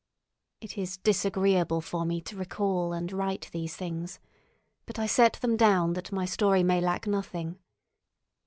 It is disagreeable for me to recall and write these things, but I set them down that my story may lack nothing.